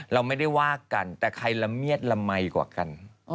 เราไม่ได้ว่ากันแต่ใครละเมียดละมัยกว่ากัน